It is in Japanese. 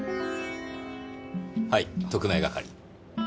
はい特命係。